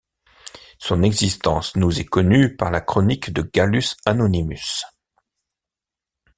Son existence nous est connue par la Chronique de Gallus Anonymus.